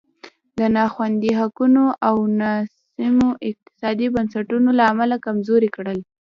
د نا خوندي حقونو او ناسمو اقتصادي بنسټونو له امله کمزوری کړل.